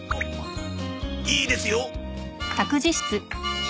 いいですよ。